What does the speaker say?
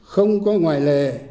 không có ngoại lệ